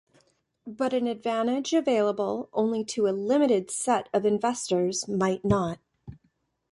But an advantage available only to a limited set of investors might not.